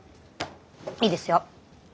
いいですよ。